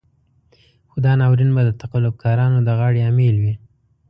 خو دا ناورين به د تقلب کارانو د غاړې امېل وي.